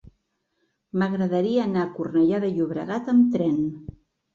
M'agradaria anar a Cornellà de Llobregat amb tren.